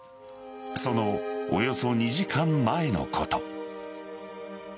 そのおよそ２時間前のこと。